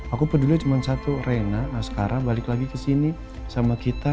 aku peduli cuma satu rena askara balik lagi ke sini sama kita